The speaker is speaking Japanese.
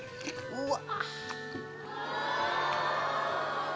うわ！